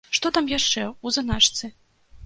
Што там яшчэ ў заначцы?